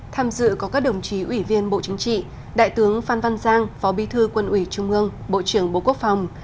tham dự có các đồng chí ủy viên bộ chính trị đại tướng phan văn giang phó bí thư quân ủy trung ương bộ trưởng bộ quốc phòng